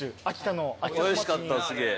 おいしかったすげえ。